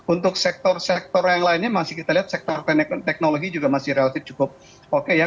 untuk sektor sektor yang lainnya masih kita lihat sektor teknologi juga masih relatif cukup oke ya